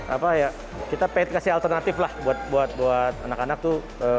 apa ya kita kasih alternatif lah buat anak anak tuh